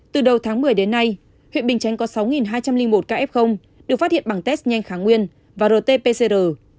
từ đầu tháng một mươi đến nay huyện bình chánh có sáu hai trăm linh một ca f được phát hiện bằng test nhanh kháng nguyên và rt pcr